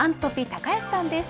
高安さんです。